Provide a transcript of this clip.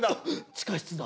地下室だ。